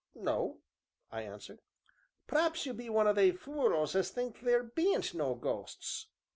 "No," I answered. "P'r'aps you be one o' they fules as think theer bean't no ghosts?"